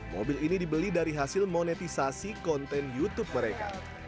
mobil ini dibeli dari hasil monetisasi konten youtube mereka